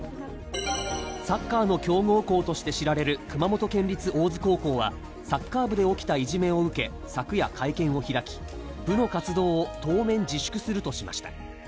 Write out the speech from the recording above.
サッカーの強豪校として知られる熊本県立大津高校はサッカー部で起きたいじめを受け、昨夜会見を開き、部の活動を当面自粛するとしました。